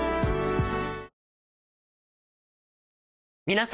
皆様。